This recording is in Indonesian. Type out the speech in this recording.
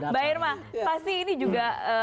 mbak irma pasti ini juga